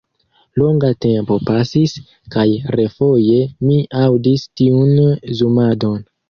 Longa tempo pasis kaj refoje mi aŭdis tiun zumadon.